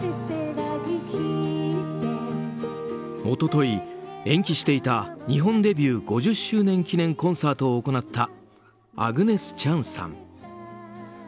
一昨日、延期していた日本デビュー５０周年記念コンサートを行ったアグネス・チャンさん。